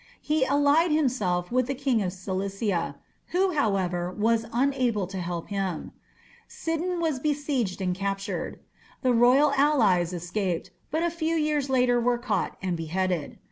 He allied himself with the King of Cilicia, who, however, was unable to help him much. Sidon was besieged and captured; the royal allies escaped, but a few years later were caught and beheaded.